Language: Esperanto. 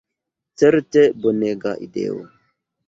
Certe bonega ideo.